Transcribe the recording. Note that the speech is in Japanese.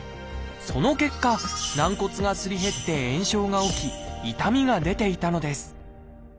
その結果軟骨がすり減って炎症が起き痛みが出ていたのです。